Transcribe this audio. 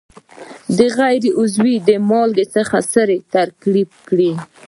د غیر عضوي مالګو څخه سرې ترکیب کړي.